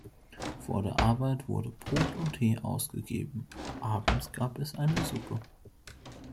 Vor der Arbeit wurde Brot und Tee ausgegeben, abends gab es eine Suppe.